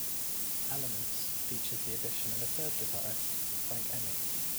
"Elements" features the addition of a third guitarist, Frank Emmi.